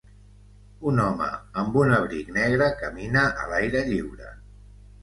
Un home amb un abric negre camina a l'aire lliure.